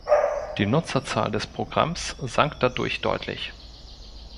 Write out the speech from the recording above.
Die Nutzerzahl des Programms sank dadurch deutlich.